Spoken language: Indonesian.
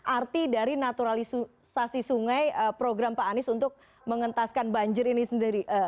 arti dari naturalisasi sungai program pak anies untuk mengentaskan banjir ini sendiri